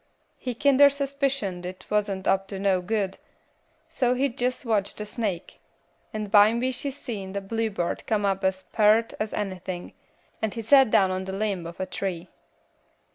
He kinder suspicioned it wasn't up to no good, so he jess watched the snake, and bimeby he seen the bluebird come up as peart as anythin', and he set down on the limb of a tree."